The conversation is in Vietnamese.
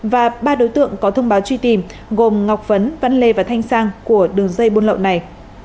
và ba đối tượng có thông báo truy tìm gồm ngọc phấn văn lê và thanh sang của đường dây buôn lậu này